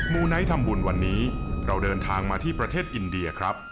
ูไนท์ทำบุญวันนี้เราเดินทางมาที่ประเทศอินเดียครับ